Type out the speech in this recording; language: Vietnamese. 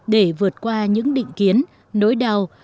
để vượt qua những định kiến nỗi đau